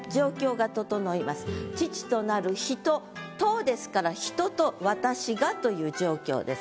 これで「と」ですから「人と私が」という状況です。